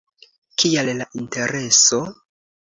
Kial la Intereso?